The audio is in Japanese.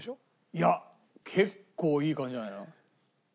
いや結構いい感じじゃないの？